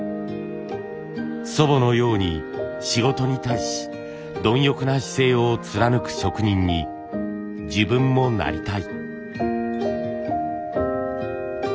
祖母のように仕事に対しどん欲な姿勢を貫く職人に自分もなりたい。